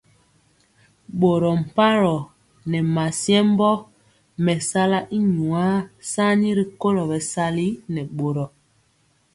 Boro pmaroo nɛ masiembö mesala y nyuar sani rikolo bɛsali nɛ boro.